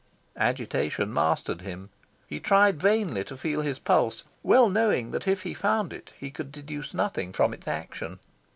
Agitation mastered him. He tried vainly to feel his pulse, well knowing that if he found it he could deduce nothing from its action.